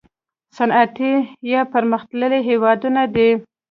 صنعتي یا پرمختللي هیوادونه دي.